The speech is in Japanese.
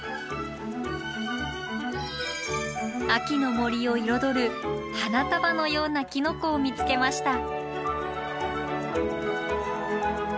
秋の森を彩る花束のようなキノコを見つけました。